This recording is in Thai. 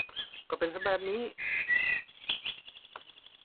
ก็เป็นซะแบบนี้